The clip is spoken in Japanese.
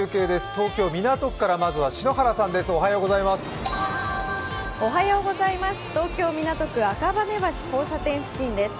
東京・港区から、まずは篠原さんです。